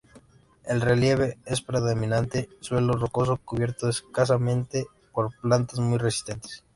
El relieve es predominantemente suelo rocoso cubierto escasamente por plantas muy resistentes.